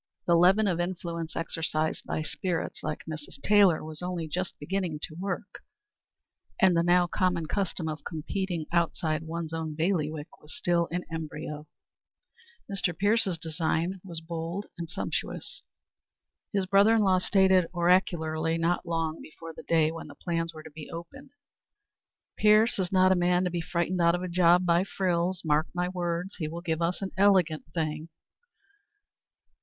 The leaven of influence exercised by spirits like Mrs. Taylor was only just beginning to work, and the now common custom of competing outside one's own bailiwick was still in embryo. Mr. Pierce's design was bold and sumptuous. His brother in law stated oracularly not long before the day when the plans were to be opened: "Pierce is not a man to be frightened out of a job by frills. Mark my words; he will give us an elegant thing."